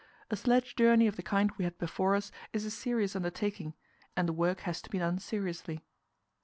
A sledge journey of the kind we had before us is a serious undertaking, and the work has to be done seriously.